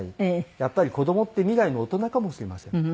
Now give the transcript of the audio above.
やっぱり子どもって未来の大人かもしれません。